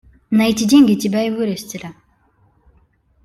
На эти деньги тебя и вырастили.